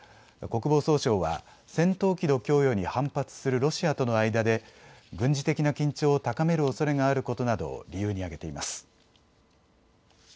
国防総省は戦闘機の供与に反発するロシアとの間で軍事的な緊張を高めるおそれがあることなどを理由に挙げています。